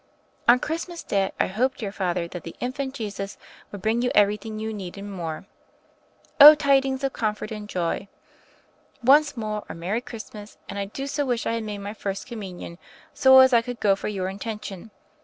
"On Christmas day, I hope, dear Father, that the Infant Jesus will bring you everything you need and more. *0 tidings of Comfort. and Joyl' "Once more a Merry Xmas; and I do so wish I had made my First Communion so as I could go for your intention.